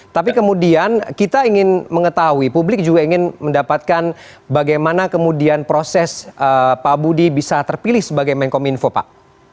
tapi kemudian kita ingin mengetahui publik juga ingin mendapatkan bagaimana kemudian proses pak budi bisa terpilih sebagai menkom info pak